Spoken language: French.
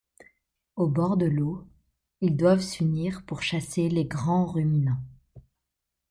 Au bord de l'eau, ils doivent s'unir pour chasser les grands ruminants.